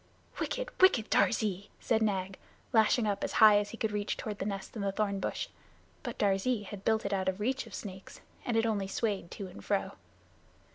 "Wicked, wicked Darzee!" said Nag, lashing up as high as he could reach toward the nest in the thorn bush. But Darzee had built it out of reach of snakes, and it only swayed to and fro.